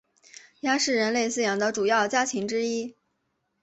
鸭是人类饲养的主要家禽之一。